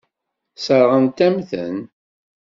Sseṛɣent-am-ten.